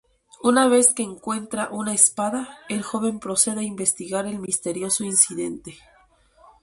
Una vez que encuentra una espada, el joven procede a investigar el misterioso incidente.